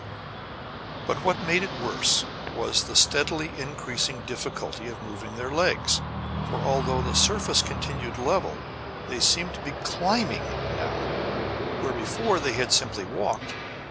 But what made it worse was the steadily increasing difficulty of moving their legs. For, although the surface continued level, they seemed to be CLIMBING now, where before they had simply walked.